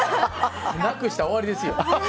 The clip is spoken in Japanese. なくしたら終わりですよ。